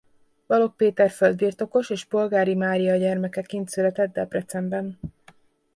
Balogh Péter földbirtokos és Polgári Mária gyermekeként született Debrecenben.